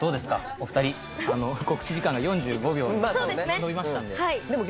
お二人告知時間が４５秒にのびましたんでそうですね